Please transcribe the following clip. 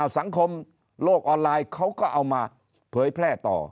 สังคมโลกออนไลน์เขาก็เอามาเผยแพร่ต่อ